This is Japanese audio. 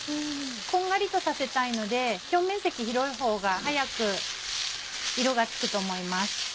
こんがりとさせたいので表面積広いほうが早く色がつくと思います。